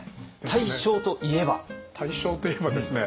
大正といえばですね